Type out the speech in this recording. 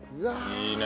いいね。